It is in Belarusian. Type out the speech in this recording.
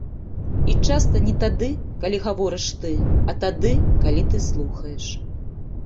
І часта не тады, калі гаворыш ты, а тады, калі ты слухаеш.